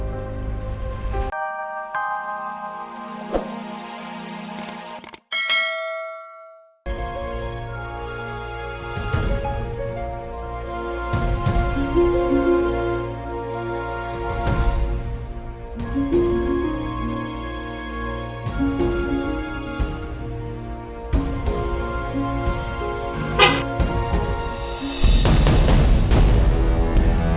aku udah bebas sekarang